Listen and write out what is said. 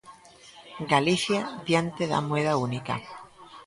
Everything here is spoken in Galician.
Galicia diante da moeda única